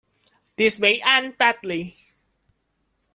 This may end badly.